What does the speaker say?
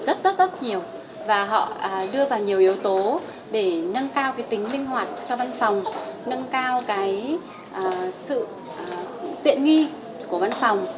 họ thay đổi rất rất rất nhiều và họ đưa vào nhiều yếu tố để nâng cao tính linh hoạt cho văn phòng nâng cao sự tiện nghi của văn phòng